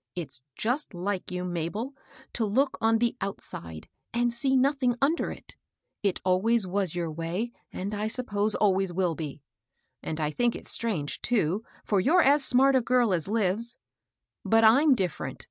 " It's just like you, Mabel, to look on the out side, and see nothing under it. It always was your way, and, I suppose, always wfll be ; and I think it strange, too, for you're as smart a grl as Uves. But I'm difiPerent.